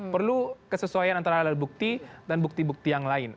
perlu kesesuaian antara alat bukti dan bukti bukti yang lain